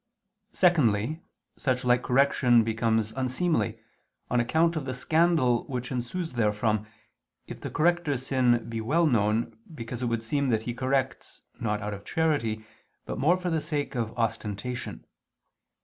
Secondly, such like correction becomes unseemly, on account of the scandal which ensues therefrom, if the corrector's sin be well known, because it would seem that he corrects, not out of charity, but more for the sake of ostentation.